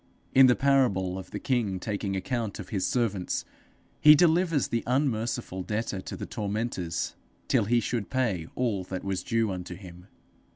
In the parable of the king taking account of his servants, he delivers the unmerciful debtor to the tormentors, 'till he should pay all that was due unto him.'